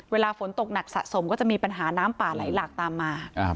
เวลาฝนตกหนักสะสมก็จะมีปัญหาน้ำป่าไหลหลากตามมา